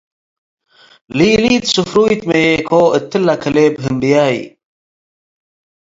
ሊሊት ስፍሩይ ተምዬኮ - እትለ ከሌብ ህምብያይ